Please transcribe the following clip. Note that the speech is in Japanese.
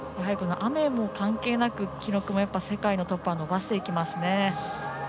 雨も関係なく記録は世界のトップは伸ばしていきますね。